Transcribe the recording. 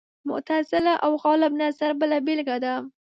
معتزله او غالب نظر بله بېلګه ده